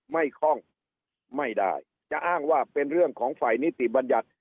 คล่องไม่ได้จะอ้างว่าเป็นเรื่องของฝ่ายนิติบัญญัติ